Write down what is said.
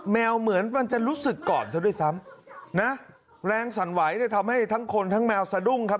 แมวเหมือนมันจะรู้สึกก่อนซะด้วยซ้ำนะแรงสั่นไหวเนี่ยทำให้ทั้งคนทั้งแมวสะดุ้งครับ